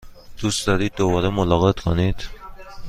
دوست دارید دوباره ملاقات کنید؟